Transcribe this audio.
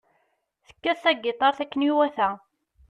Tekkat tagitaṛt akken iwata.